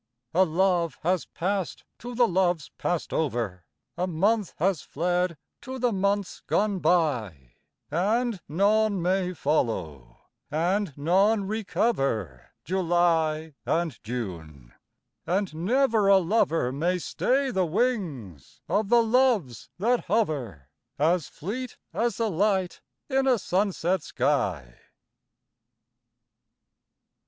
A love has passed to the loves passed over, A month has fled to the months gone by; And none may follow, and none recover July and June, and never a lover May stay the wings of the Loves that hover, As fleet as the light in a sunset sky.